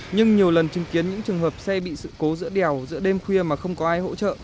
nhưng nhiều lần chứng kiến những trường hợp xe bị sự cố giữa đèo giữa đêm khuya mà không có ai hỗ trợ